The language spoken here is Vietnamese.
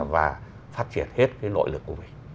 và phát triển hết cái nội lực của mình